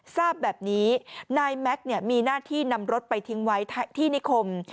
ทราบแบบนี้นายแม็กซ์มีหน้าที่นำรถไปทิ้งไว้ที่นิคม